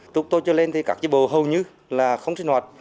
tục tôi chưa lên thì các chế bộ hầu như là không sinh hoạt